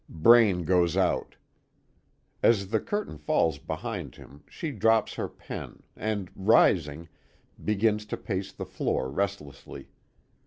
Braine goes out. As the curtain falls behind him she drops her pen, and rising, begins to pace the floor restlessly.